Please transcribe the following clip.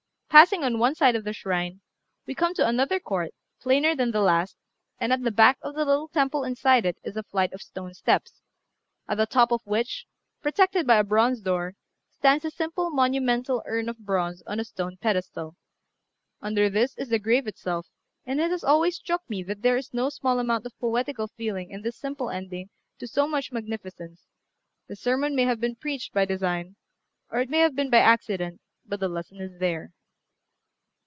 Passing on one side of the shrine, we come to another court, plainer than the last, and at the back of the little temple inside it is a flight of stone steps, at the top of which, protected by a bronze door, stands a simple monumental urn of bronze on a stone pedestal. Under this is the grave itself; and it has always struck me that there is no small amount of poetical feeling in this simple ending to so much magnificence; the sermon may have been preached by design, or it may have been by accident, but the lesson is there.